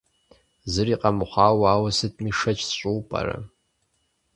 Зыри къэмыхъуауэ ауэ сытми шэч сщӏыуэ пӏэрэ?